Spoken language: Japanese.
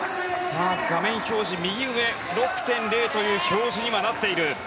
画面表示右上６．０という表示にはなっている。